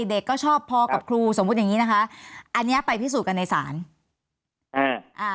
เด็กก็ชอบพอกับครูสมมุติอย่างงี้นะคะอันเนี้ยไปพิสูจน์กันในศาลอ่าอ่า